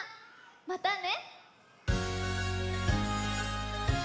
またね！